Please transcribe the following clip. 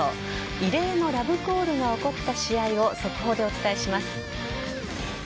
異例のラブコールが起こった試合を速報でお伝えします。